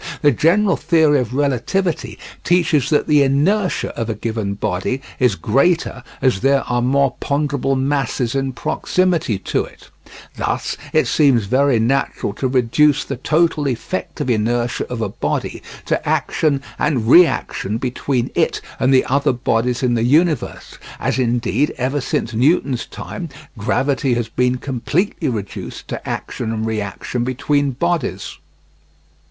The general theory of relativity teaches that the inertia of a given body is greater as there are more ponderable masses in proximity to it; thus it seems very natural to reduce the total effect of inertia of a body to action and reaction between it and the other bodies in the universe, as indeed, ever since Newton's time, gravity has been completely reduced to action and reaction between bodies.